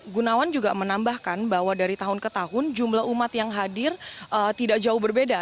gunawan juga menambahkan bahwa dari tahun ke tahun jumlah umat yang hadir tidak jauh berbeda